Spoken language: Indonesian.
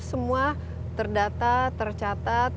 semua terdata tercatat